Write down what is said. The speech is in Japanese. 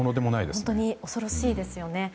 本当に恐ろしいですね。